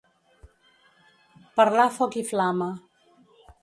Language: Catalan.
Parlar foc i flama.